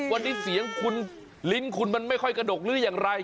วันนี้เสียงคุณลิ้นคุณมันไม่ค่อยกระดกหรืออย่างไร